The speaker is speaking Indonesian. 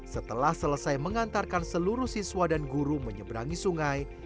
setelah selesai mengantarkan seluruh siswa dan guru menyeberangi sungai